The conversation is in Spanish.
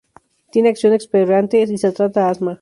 Tiene acción expectorante y se trata asma.